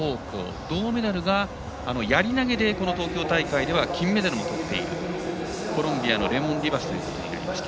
銅メダルがやり投げでこの東京大会では金メダルもとっているコロンビアの選手でした。